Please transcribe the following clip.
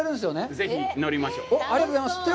ぜひ、乗りましょう。